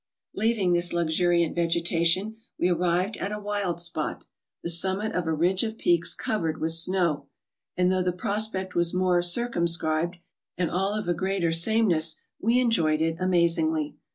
Leaving this luxuriant vegetation, we arrived at a wild spot, the summit of a ridge of peaks covered with snow; and though the prospect was more circumscribed, and all of a greater sameness, we enjoyed it amazingly.